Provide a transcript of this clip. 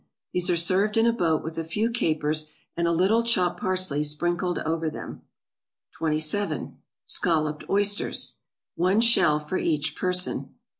_) These are served in a boat with a few capers, and a little chopped parsley sprinkled over them. 27. =Scalloped Oysters.= (_One shell for each person.